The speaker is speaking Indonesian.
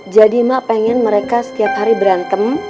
jadi emang pengen mereka setiap hari berantem